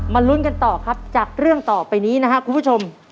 ลุ้นกันต่อครับจากเรื่องต่อไปนี้นะครับคุณผู้ชม